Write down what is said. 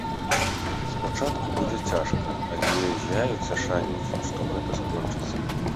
Спачатку будзе цяжка, але з'явіцца шанец, што гэта скончыцца.